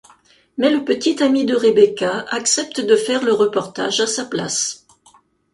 Mais le petit ami de Rebecca accepte de faire le reportage à sa place.